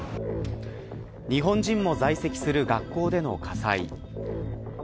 日本人も在籍する学校での火災。